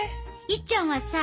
いっちゃんはさ